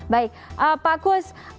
baik pak kus